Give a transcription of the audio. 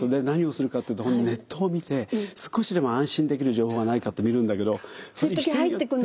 何をするかっていうとネットを見て少しでも安心できる情報はないかって見るんだけど人によって。